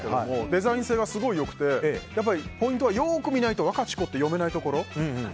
デザイン性がすごい良くてポイントはワカチコって読めないところ。